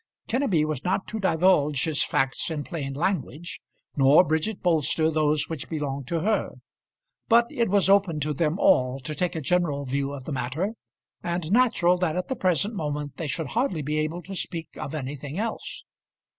Kenneby was not to divulge his facts in plain language, nor Bridget Bolster those which belonged to her; but it was open to them all to take a general view of the matter, and natural that at the present moment they should hardly be able to speak of anything else.